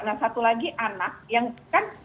nah satu lagi anak yang kan